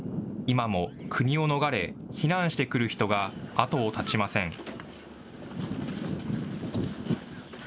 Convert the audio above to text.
今も国を逃れ、避難してくる人が後を絶ちません。